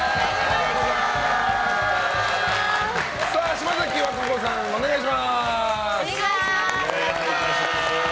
島崎和歌子さん、お願いします。